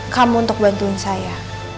kamu untuk bantuin saya